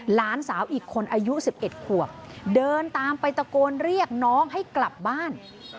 หลานสาวอีกคนอายุ๑๑ขวบเดินตามไปตะโกนเรียกน้องให้กลับบ้าน